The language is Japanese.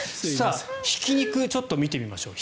ひき肉ちょっと見てみましょう。